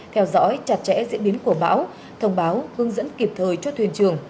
theo dõi chặt chẽ diễn biến của bão thông báo hướng dẫn kịp thời cho thuyền trường